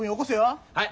はい。